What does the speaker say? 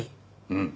うん。